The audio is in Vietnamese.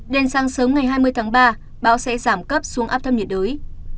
đến sáng sớm ngày hai mươi tháng ba bão sẽ giảm cấp xuống áp thấp nhiệt đới